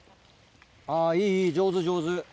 あぁいいいい上手上手。